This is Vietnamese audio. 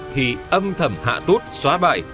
thì âm thầm hạ tốt xóa bài